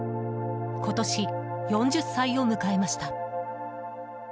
今年、４０歳を迎えました。